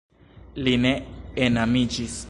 Li ne enamiĝis.